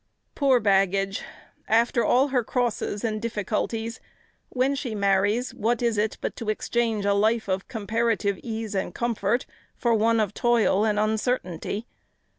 Poor baggage! after all her crosses and difficulties, when she marries, what is it but to exchange a life of comparative ease and comfort for one of toil and uncertainty?